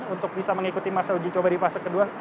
untuk bisa mengikuti masa uji coba di fase kedua